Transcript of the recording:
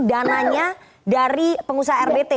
dananya dari pengusaha rbt